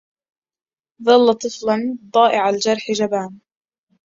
ظل طفلاً ضائع الجرح... جبان.